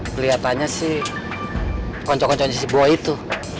keliatannya sih konco koncoan di si buah itu